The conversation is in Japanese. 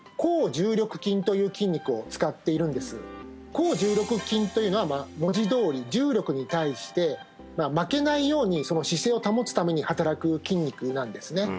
抗重力筋というのは文字どおり重力に対して負けないように姿勢を保つために働く筋肉なんですね